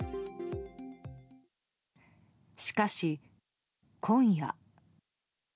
しかし、今夜。